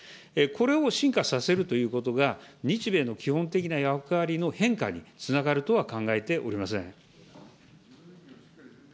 これを進化させるということが、日米の基本的な役割の変化につながるとは考えておりません。